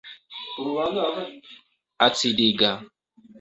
Acidiga.